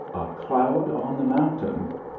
A CLOUD ON THE MOUNTAIN.